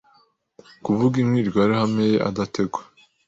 Kuvuga imwirwaruhame ye adategwa